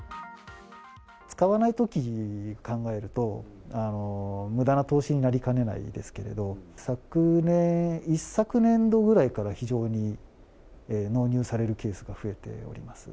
使わないときを考えると、むだな投資になりかねないですけど、昨年、一昨年度ぐらいから、非常に納入されるケースが増えております。